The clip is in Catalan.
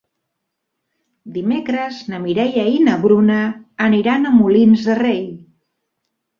Dimecres na Mireia i na Bruna aniran a Molins de Rei.